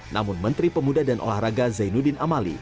namun menteri pemuda dan olahraga zainuddin amali